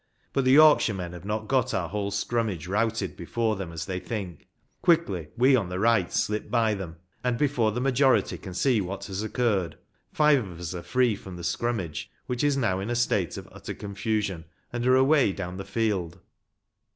But the Yorkshiremen have not got our whole scrummage routed before them as they think. Quickly we on the right slip by them, and before the majority can see what has occurred. A MODERN GAME OF RUGBY FOOTBALL. 209 five of us are free from the scrummage, which is now in a state of utter confusion, and are away down the field.